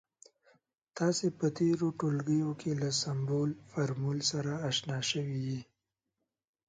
تاسې په تیرو ټولګیو کې له سمبول، فورمول سره اشنا شوي يئ.